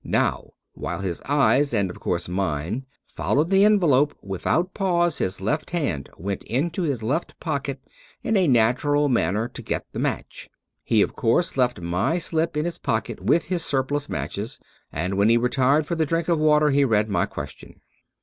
Now while his eyes (and of course mine) followed the envelope, without pause his left hand went into his left pocket in a natural manner to get the match. He, of course, left my slip in his pocket with his surplus matches ; and when he retired for the drink of water, he read my question.